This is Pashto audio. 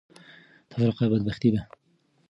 تفرقه بدبختي ده.